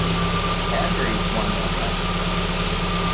Andrews won the election.